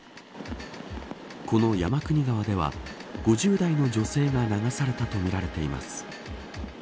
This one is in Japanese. この山国川では５０代の女性が流されたとみています。